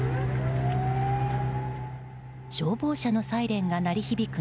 消防車のサイレンが鳴り響く